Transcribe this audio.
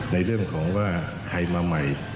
ในเรื่องของว่าใครมาใหม่